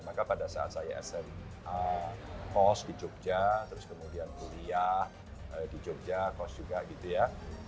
maka pada saat saya sma kos di jogja terus kemudian kuliah di jogja kos juga gitu ya